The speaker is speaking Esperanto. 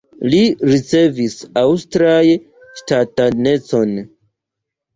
Li ricevis aŭstraj ŝtatanecon.